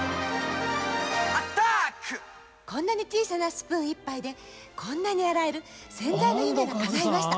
こんなに小さなスプーン１杯でこんなに洗える洗剤の夢がかないました。